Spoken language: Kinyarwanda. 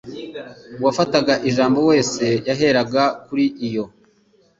uwafataga ijambo wese yaheraga kuri iyo